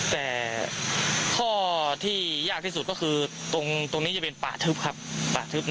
แต่ข้อที่ยากที่สุดก็คือตรงนี้จะเป็นป่าทึบครับป่าทึบ